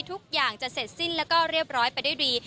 ทุกอย่างจะเสร็จสิ้นแล้วก็เรียบร้อยไปด้วยดี